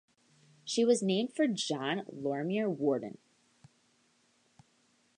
She was named for John Lorimer Worden.